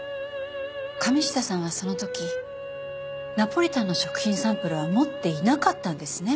神下さんはその時ナポリタンの食品サンプルは持っていなかったんですね？